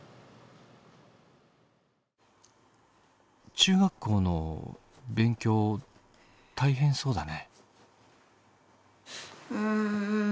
中学校の勉強大変そうだね。